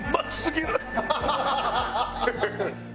ハハハハ！